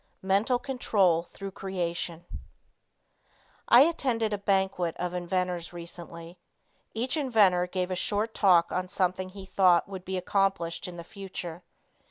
MENTAL CONTROL THROUGH CREATION I attended a banquet of inventors recently. Each inventor gave a short talk on something he thought would be accomplished in the future.